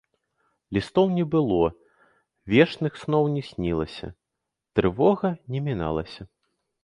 Лістоў не было, вешчых сноў не снілася, трывога не міналася.